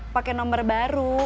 pakai nomor baru